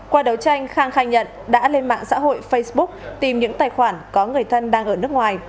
qua đấu tranh khang khai nhận đã lên mạng xã hội facebook tìm những tài khoản có người thân đang ở nước ngoài